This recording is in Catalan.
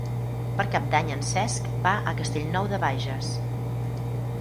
Per Cap d'Any en Cesc va a Castellnou de Bages.